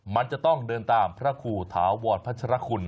มันจะต้องเดินตามพระครูถาวรพัชรคุณ